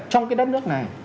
trong cái đất nước này